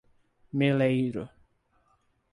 Meleiro